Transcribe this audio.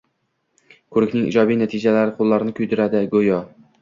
Ko`rikning ijobiy natijalari qo`llarini kuydiradi go`yo